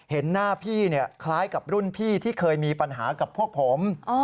เห็นหน้าพี่คล้ายกับรุ่นพี่ที่เคยมีปัญหากับพวกผม